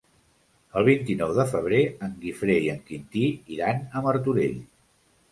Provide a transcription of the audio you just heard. El vint-i-nou de febrer en Guifré i en Quintí iran a Martorell.